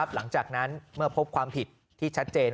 หลังจากนั้นเมื่อพบความผิดที่ชัดเจน